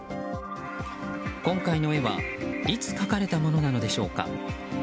今回の絵はいつ描かれたものなのでしょうか。